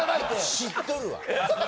知っとるわ。